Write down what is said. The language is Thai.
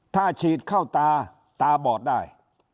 ถ้าฉีดเข้าตาตาบอดได้